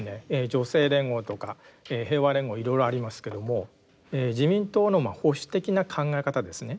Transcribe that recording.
女性連合とか平和連合いろいろありますけども自民党の保守的な考え方ですね